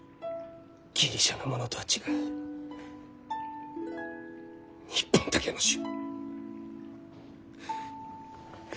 ギリシャのものとは違う日本だけの種！